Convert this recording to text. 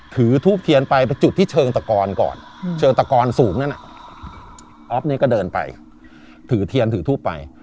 ทูบเทียนไปไปจุดที่เชิงตะกอนก่อนเชิงตะกอนสูงนั่นออฟเนี่ยก็เดินไปถือเทียนถือทูปไป